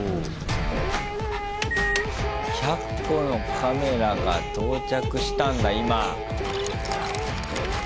１００個のカメラが到着したんだ今。